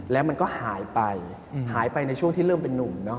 แล้วมันก็หายไปหายไปในช่วงที่เริ่มเป็นนุ่มเนาะ